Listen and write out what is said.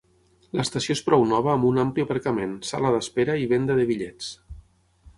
L'estació és prou nova amb un ampli aparcament, sala d'espera i venda de bitllets.